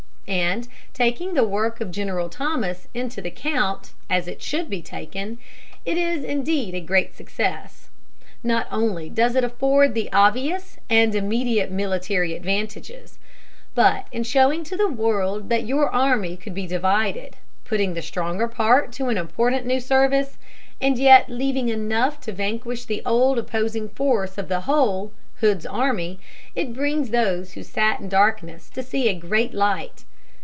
And taking the work of General Thomas into the count, as it should be taken, it is, indeed, a great success. Not only does it afford the obvious and immediate military advantages, but in showing to the world that your army could be divided, putting the stronger part to an important new service, and yet leaving enough to vanquish the old opposing force of the whole Hood's army it brings those who sat in darkness to see a great light.